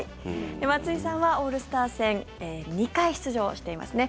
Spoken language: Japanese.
松井さんはオールスター戦２回出場していますね。